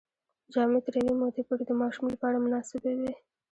جامې تر یوې مودې پورې د ماشوم لپاره مناسبې وي.